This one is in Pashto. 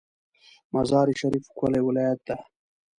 مزار شریف ښکلی ولایت ده